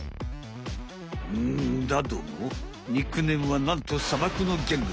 うんだどもニックネームはなんと砂漠のギャング！